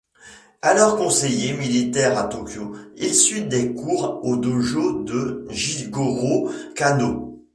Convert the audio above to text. Alors conseiller militaire à Tokyo, il suit des cours au dojo de Jigorō Kanō.